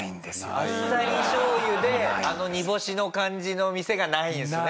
あっさり醤油であの煮干しの感じの店がないんですね。